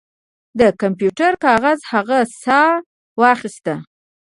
د کمپیوټر کاغذ هغې ساه واخیسته